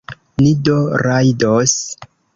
Ni do rajdos?